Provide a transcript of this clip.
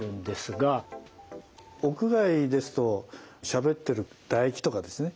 屋外ですとしゃべってる唾液とかですね